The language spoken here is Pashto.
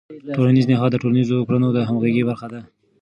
ټولنیز نهاد د ټولنیزو کړنو د همغږۍ برخه ده.